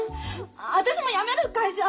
私も辞める会社。